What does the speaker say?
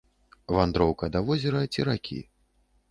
Вандроўка да возера ці ракі.